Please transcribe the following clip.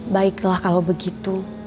baiklah kalau begitu